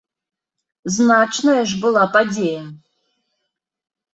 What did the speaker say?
Значная ж была падзея!